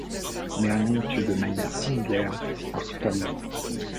Mérion tue de manière similaire Harpalion.